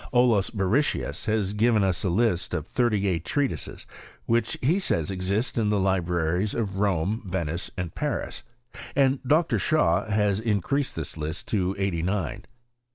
Olaus Borrichius has given us a list, of thirty eight treatises, which he says exist in the libraries of Rome^ Venice, and Paris : and Dr. Shaw has increased this list to eighty nine.